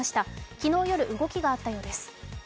昨日夜、動きがあったようです。